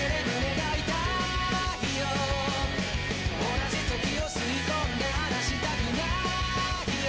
「同じ時を吸いこんで離したくないよ」